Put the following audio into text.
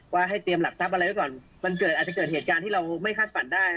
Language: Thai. ว่าให้เตรียมหลักทรัพย์อะไรไว้ก่อนมันเกิดอาจจะเกิดเหตุการณ์ที่เราไม่คาดฝันได้